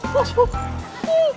kasih kasih kasih